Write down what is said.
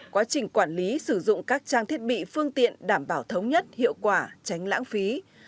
quá trình quản lý sử dụng các trang thiết bị phương tiện đảm bảo thống nhất hiệu quả tránh lãng phí